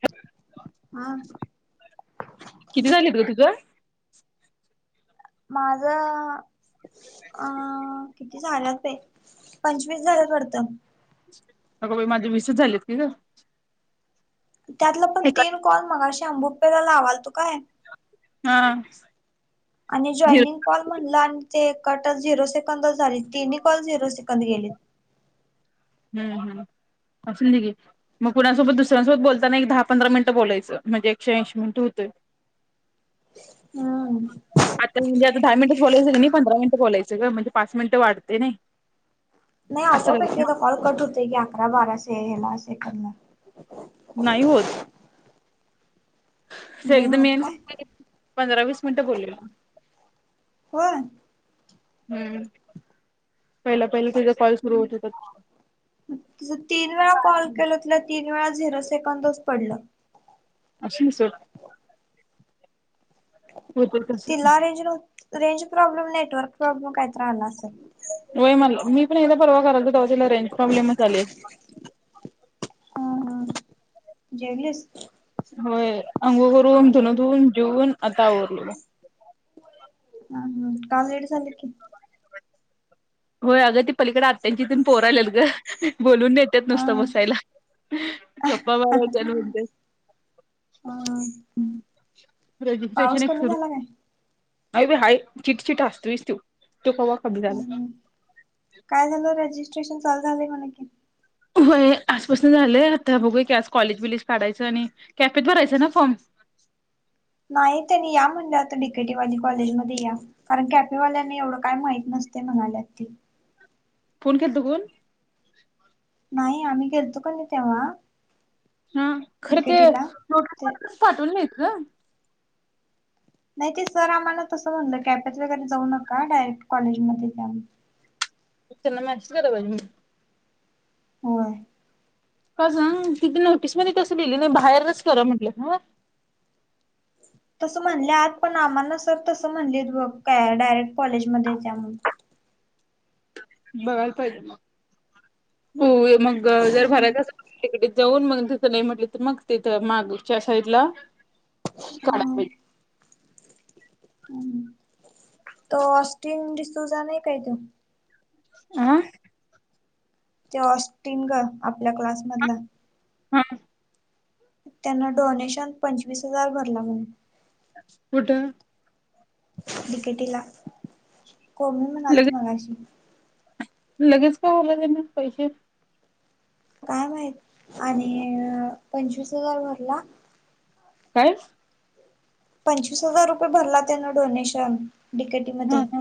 [unintelligible] हा किती झालीत ग तुझ? माझ अ. झाल्यात बाई. पंचवीस झाल्यात वाटत. अग बाई माझे विसच झालेत की ग. त्यातला पण तीन कॉल मगाशी अंबूपेला लावालतो काय. हा. आणि झिरो जॉइनिंग कॉल म्हणलं आणि ते. कटच. झिरो सेकंद झाली. तिन्ही कॉल झिरो सेकंद गेलीत. हम हम. असुंदे की. मग कुणासोबत दुसऱ्यांसोबत बोलताना एक दहा पंधरा मिनटं बोलायचं. म्हणजे एकशे ऐंशी मिनट होतय. हम्म आता म्हणजे आता दहा मिनिट बोलायच नाही पंधरा मिनिट. बोलायचं ग म्हणजे पाच मिनिटं वाढतय नाही. नाही असं आपोप एक करायचं एकदा कॉल कट होते की अकरा बारा से हेला सेकंद ला. नाही होत नाही एकदा मी होत काय? पंधरा वीस मिनिटं बोललेलो. होय? हम्म. पहिला पहिला तिचा कॉल सुरू होत होता. हं. किती वेळा झिरो सेकंदच पडलं. असुंदे सोड. हो तर कस? तिला रेंज नव्ह रेंज प्रॉबलेम, नेटवर्क प्रॉब्लेम काहीतर आला असेल. व्हय मला- मी पण एकदा परवा [unintelligible] तवा तिला रेंज प्रॉब्लेमच आले. असेल. जेवलीस? होय. अंगोळ करून. धुन धुवून, जेऊन आता आवरलोय. हम हम्. का लेट झालं की? होय. अगं ती पलीकडे आत्यांची तीन पोर आल्यात ग. बोलवून नेत्यात हा नुसता बसायला. हा गप्पा मारायला हो त्याल म्हणते. हा हम्. रजिस्ट्रेशन पाऊस एक कमी सुरू. झाला काय अ हा चिक चिक असते [unintelligible] तो कवा [unintelligible] झालं. हम्म काय झालं रजिस्ट्रेशन चालू झालय म्हण की. होय. आजपासून झालंय आता बघूया की आज. कॉलेज विलेज काढायचं आणि कॅफेत भरायचं ना फॉर्म? [inaudible] नाही त्यांनी या म्हणलं आता डी के टीवाली कॉलेजमध्ये या. कारण कॅफेवाल्यांना एवढं काय माहित नसत. नस्ते म्हणाल्यात ती. फोन केलता कोण? नाही आम्ही गेलतो कनी तेव्हा. हा खरे ते डिकेटीला नोटीस ते मधी टेन पाठवलु नाही ग नाही ते सर आम्हाला तसं म्हणलं, कॅफेत वगैरे जाऊ नका डायरेक्ट कॉलेजमध्ये या. त्यांना मेसेज कराय पाहिजे म. होय. का सांग तिथं नोटीस मध्ये तसं लिहिलं, बाहेरच करा म्हंटलं ह. तसं म्हणल्यात पण आम्हाला सर तसं म्हणलीत, बघ काय डायरेक्ट कॉलेजमध्येच या म्हणून बघायला पाहिजे म? होय. मग जर म्हणून भरात अस तिकडे जाऊन मग नाही म्हटलं तर मग तिथ मागच्या साईड ला काढा हम. तो ऑस्टिन डिसूजा नाही काय तो? आं? ते ऑस्टिन ग आपल्या क्लासमधला. हा. त्यांना डोनेशन पंचवीस हजार भरला म्हणे. कुठ? बि के टीला कोमी म्हणालती लगेच मगाशी. लगेच का [unintelligible] त्यांना पैसे काय माहित? आणि -पंचवीस हजार भरला- काय? पंचवीस हजार रुपये भरला त्यानं डोनेशन डी के टी हा मध्ये हा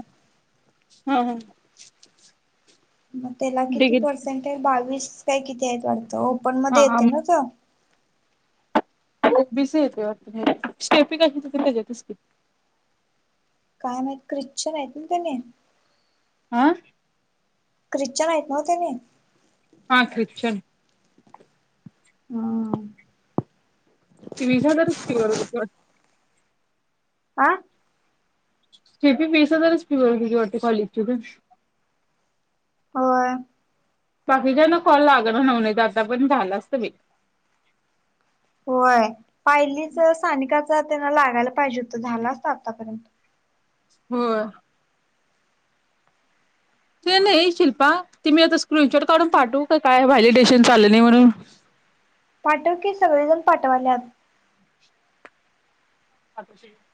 हा हा. मग त्याला किती डिगीत पर्सेंट आहे बावीस काय किती आहेत वाटतं? ओपन हा मध्ये हा येतोय ना तो ओ बी सी येतय वाटत त्याचं स्टेपी काय [unintelligible] काय माहीत ख्रिश्चन आहेत ना त्यांनी? आ. ख्रिश्चन आहेत नव्ह त्यांनी हा ख्रिश्चन हां. वीस हजारच फी भरत होती वाटतं आ. हे बी वीस हजारच फी भरून गेली वाटतं, कॉलेजची फी होय. बाकीच्याना कॉल लागना नव्ह नाही, आतापर्यंत झाला असत बाई होय पायलीचं, सानिकाच ना त्यांना लागायला पाहिजे होत, झालं असत आतापर्यंत होय. ते नाही शिल्पा ते मी आता स्क्रिनशॉट काढून पाठवू का काय? व्हॅलिडेशन चालू नाही म्हणून ययरर [inaudible] पाठव की सगळेजण पाठवाल्यात हा त स [unintelligible]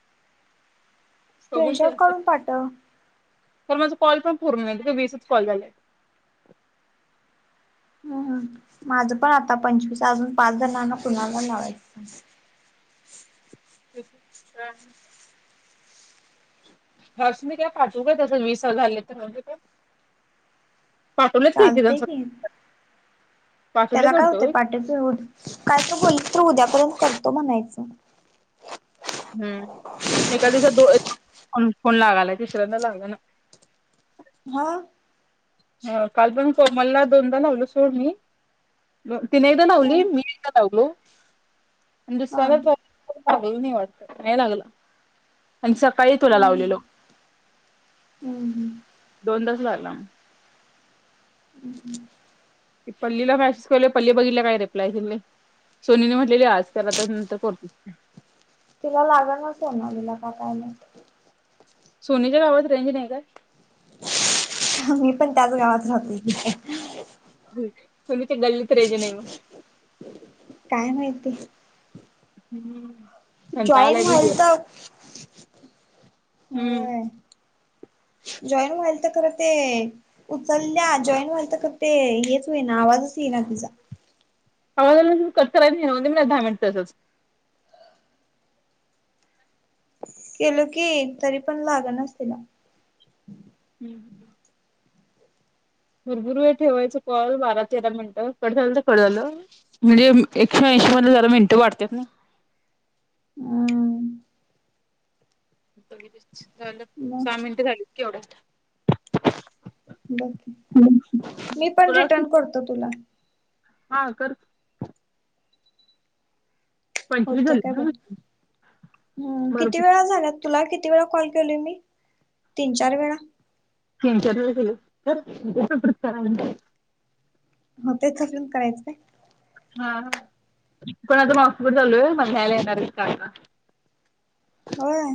स्क्रीनशॉट काढून पाठव. तर माझा कॉल पण पूर्ण नाहीत ग वीसच कॉल झाल्यात. हम् माझं पण आता पंचवीस अजून पाच जणांना कुणाला लावायचं? तेच हां. हर्ष मी काय पाठवू काय? तसं वीस कॉल झालेत तर म्हणजे पाठवलेत की किरण सर त्याला काय होतय पाठव, की हून फिरून काय तर बोलली? तर उद्यापर्यंत करतो म्हणायचं हम्म एकाद दिवसात दोन दोन फोन लागालाय तिसऱ्यांदा लाग ना हां. हा काल पण कोमलला दोनदा लावलो सोड मी तिने एकदा हम्म लावली मी एकदा लावलो. आणि हा दुसऱ्याला हम्म करालतो लागल नाही वाटत, नाही लागलं. आणि सकाळी तुला हम्म लावलेलो हम्म दोन तास लागला मग हम्म हम्म पल्लीला कयशसवलेय पल्ली बघितला काय रिप्लाय दिलेय सोनीने म्ह आज क नंतर कोत म काय आणि? सोनीच्या गावात रेंज नाही काय? हा मी पण त्याच गावात राहते की, हा सोनीच्या गल्लीत रेंज नाही ओ. काय माहिती? हम्म. जॉईन व्हालत. हम्म व्हय जॉईन व्हालत. खर ते उचलल्या जॉईन व्हालत, खर ते हेच होईना आवाजच येई ना तिचा आवाज आला नाही म्हणून कट करायचं नाही, राहू द्यायचं दहा मिनिट तसंच केलो की तरी पण लागनाच तिला हम् [inaudible] भरपुर वेळ ठेवायच कॉल बारा, तेरा मिनिटं कट झालं तर कट झालं, म्हणजे एकशे एशी म्हणून जरा मिनट वाढत्यात नी. झालं मग सहा मिनटं झालीत एवढ्या ब मी पण तुला रिटर्न करतो तुला हा कर पंचवीस होते झाले काय बघ ना हम किती बरोबर वेळा झाल्यात तुला किती वेळा कॉल केली मी तीन चार वेळा तीन चार व तर हो तेचजून करायचं काय ह कोण आता मगपूर चालूय मला्यायला येणार काळ का होय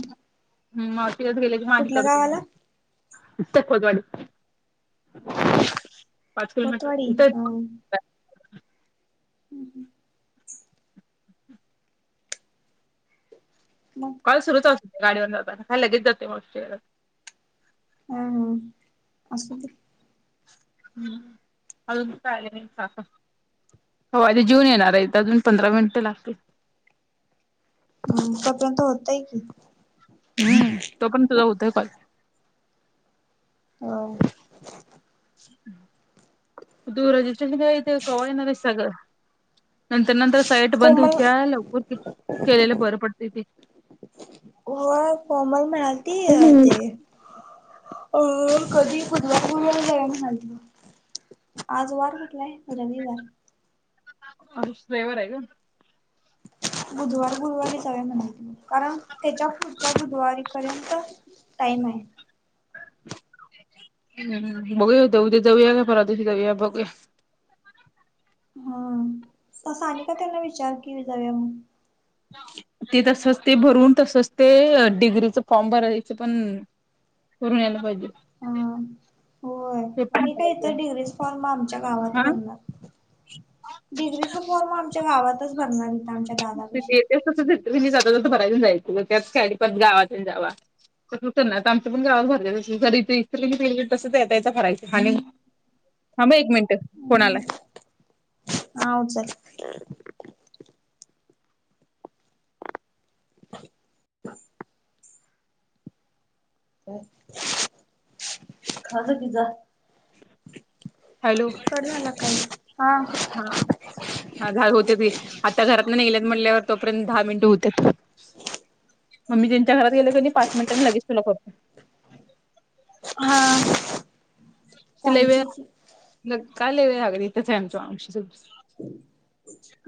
ह म तिलाच गेल्याची माणी कुठल्या करत गावाला मला कोतवाडी पाच किलोमीटर कोतवाडी इथ हम्म हम्म मग काल सुरूच होत गाडीवर जाताना काही लगेच जाते मोस् हह हम अससत हम्म अून काले हवा आ ते जेऊन येणार आहे अजून पंधरा मिनिट लागतील ह तपर्यंत होतय की हम्म तो पण तुझा होतय पाे हो तू रजिस्ट्रेशन ते कना सग नंतर नंतर साईट बंद कोमल होत्या लवकर कि केलेलं बरं पडत ते हो कोॉमल मिळाती ते अ कधी बुधवला जा सांलं आज वार कुठला आहे रविवार अवर आहे का बुधवार गुरुवारी सगळे म्हण कारण त्याच्या पुढच्या बुधवारी पर्यंत टाईम आहे [unintelligible] ह भग दऊ ते दऊया का पररा तशी दऊया भोग्या हा असं आणि का त्यांना विचार की जाव मग ते तसच ते भरून तसच ते डिग्रीच फॉर्म भरायचं पण करून यायला पाहिजे हा. होय ते पण मी का इतर भरायचंय डिग्री फॉर्म आमच्या गावात हा. भरणार डिग्रीच फर्म आमच्या गावातच बनणार येते तस मी जाता जात भरायन जायचं त्याच खेळी पण गावाात जावा नाही आता आमच्या पण गावात भरयच इत तस याचा भरायच आणि थांब हा एक मिनट फोन आलाय. हा उचल. [unintelligible] पिझ्झा हॅलो हा. कट झाला कॉल हा. आज हाल होते बाई. आता घरात ना निघालेत म्हणल्यावर तोपर्यंत दहा मिनिट होतात. मम्मी त्यानंच्या घरात गेले का. पाच मिनिटांनी लगेच तुला का हा चालतंय की. काल वेळ लागली इथेच आय आमच्या मावशीच् घर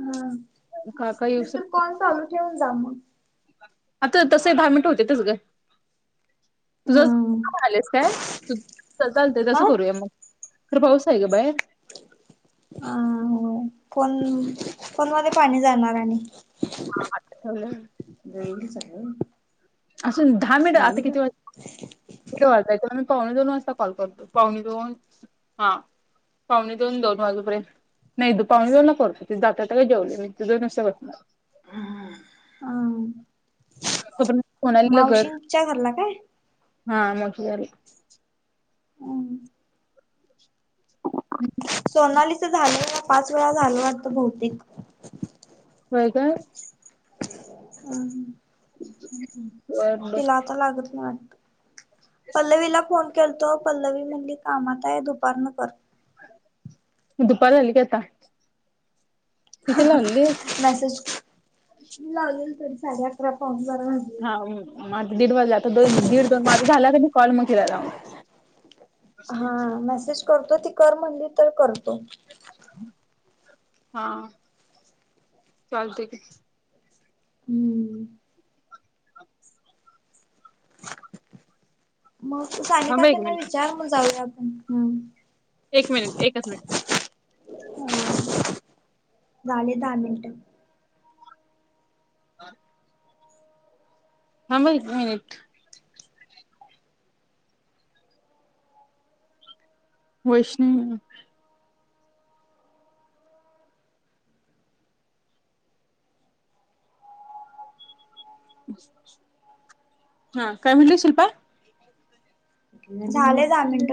हा नाही येऊस तर कॉल चालू ठेवून जा मग आता तसे दहा मिनट होतेच ग तुझं हम्म आलेस काय तू सांगते आ तसं करूया हा मग खर पाऊस आहे ग बाहेर होय. फोन फोन मध्ये पाणी जाणार आणि [unintelligible] असून दहा मिनिट आता जाईल. किती वाज कि वाजताय पावणे दोन वाजता कॉल करतो पावणे दोन हा पावणे दोन दोन वाजेपर्यंत नाही तू पावने दोन ला कॉल करतीस जातात जेवले मी [unintelligible] ह अम [unintelligible] कर मावशींच्या घरला काय हा मावशी घरी हम् सोनालीच झालं या पाच वेळा झालं वाटत भौतेिक काय काय हम् बर बर तिला आता लागत ना वाटत पल्लवीला फोन केलतो पल्लवी म्हणली कामत आहे दुपारन कर. दुपार झाली की आता किती लावलीस मेसेज मी लावलेल तरी साडे अकरा पावन हा माझ दीड वाजला आता दीड दोन माझा झाला का कॉल मग तिला लाव हा मेसेज करतो ती कर म्हणली तर करतो हा चालते की हम्म मग सानिका थांबा एक त्यांना मिनिट विचार मग जाऊया आपण हम एक मिनिट एकच मिनिट ह झाले दहा मिनट [unintelligible] थांब हा एक मिनिट वैष्णवी हा काय म्हणली शिल्पा झाले दहा मिनिट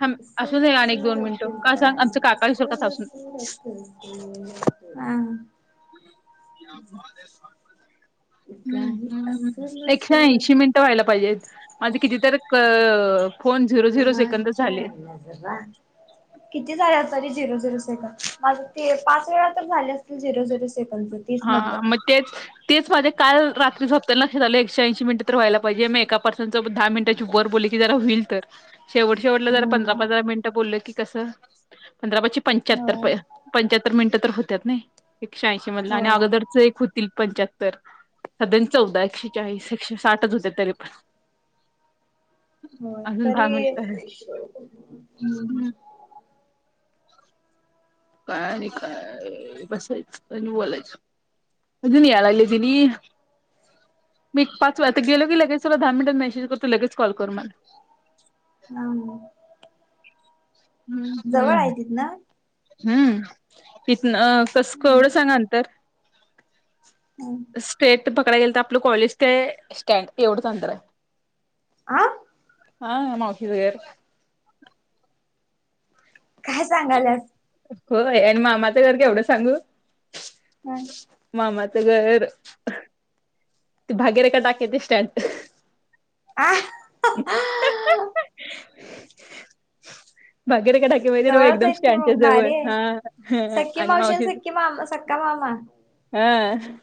थांब असू दे आणि एक दोन मिनिटं का सांग आमचं काका विसरतात असून [unintelligible] हा [unintelligible] हम गाणी हम असल एकशे ऐशी सुरत मिनटं व्हायला पाहिजेत माझे कितीतरी क य य [unintelligible] किती झालेट तरी झिरो झिरोच सेकंद. माझ ते पाच वेळा तर झाले झिरो झिरो सेकंद तीस मधल हा मग तेच तेच माझे काल रात्री झोपतान लक्षात आलं एकशे ऐंशी मिनट तर व्हायला पाहिजे. म एका पर्सन सोबत दहा मिनटाचे वर बोलली. म्हटली जरा होईल तर. शेवट शेवट ला जरा पंधरा हम्म पंधरा मिनिट. बोलल की कसं पंधरा पा पंच्याहत्तर होय. पंच्याहत्तर मिनिटं तर होत्या नाही एकशे ऐंशी मधलं आणि होय अगोदरच एक होतील पंच्याहत्तर साध्याण चौदा एकशे चाळीस एकशे साठच होते तरी पण [inaudible] हो अजून दहा तरी मिनिट आहे [inaudible] हम्म [inaudible] काय आणि काय बसयच बोलायचं अजुन यलागलत यांनी [inaudible] मी पाच वाेता गेलो की लगेच तला दहा मिनिटात मेसेज करतो लगेच कॉल करू मला [inaudible] ह हम्म हम्म तिथन [inaudible] हम्म [inaudible] इथ कसं एवढं सांगंतर [inaudible] स्टेट पक क गेल तर आपलं कॉलेज ते स्टँड एवढच अंतर आहे [inaudible] आह [inaudible] हा मावशी च घर काय सांगालस. होय आणि मामाचं घर केवड सांगू. हम्. गर ते भागीरे का टाकेत स्टँड [unintelligible] [unintelligible] भाकीरे का टाकीे माहिती ना म जवळच एकदम आहेत की स्टँडच्या मग जवळ भारी आहे हा आणि मावशी हा. हा.